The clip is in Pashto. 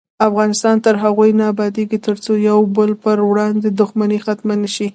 افغانستان تر هغو نه ابادیږي، ترڅو د یو بل پر وړاندې دښمني ختمه نشي.